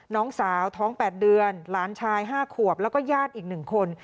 น้องสาวท้อง๘เดือนหลานชาย๕ขวบแล้วก็ญาติอีก๑คน